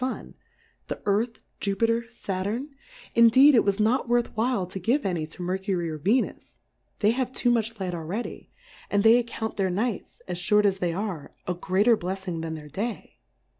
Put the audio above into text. Sun^ the Earthy Jripiter^ Saturn \ in deed it was not worth while to give any to Mercury or Venus^ they have too much Light already ; and they ac count Plurality ^/WORLDS, i 27 count their Nights (as fhort as they are ) a greater Blefling than their Day.